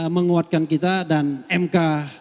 menguatkan kita dan mk